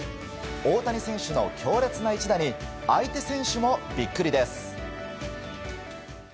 大谷選手の強烈な一打に相手選手もビックリです。